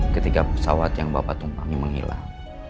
ketika pesawat yang bapak tumpangi menghilang